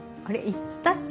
言ったっけ？